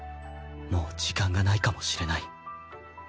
もう時間がないかもしれない。